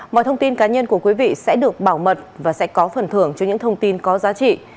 mọi thông tin cá nhân của quý vị sẽ được bảo mật và sẽ có phần thưởng cho những thông tin có giá trị